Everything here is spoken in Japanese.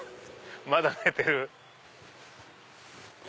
まだ寝てる。